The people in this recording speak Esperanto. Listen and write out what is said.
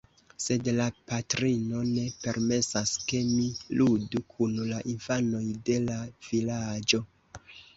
Sed la patrino ne permesas, ke mi ludu kun la infanoj de la vilaĝo.